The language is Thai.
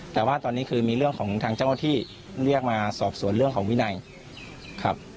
แต่ว่าตอนนี้คือมีเรื่องของทางเจ้าหน้าที่เรียกมาสอบสวนเรื่องของวินัยครับ